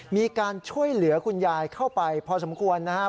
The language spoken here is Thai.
มีการช่วยเหลือคุณยายเข้าไปพอสมควรนะครับ